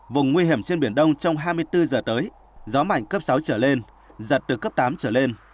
vùng nguy hiểm trên biển đông trong hai mươi bốn giờ tới gió mạnh cấp sáu trở lên giật từ cấp tám trở lên